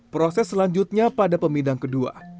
proses selanjutnya pada pemidang kedua